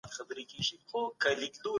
دا پرېکړه د محلي حاکمانو لخوا نیول سوي وه.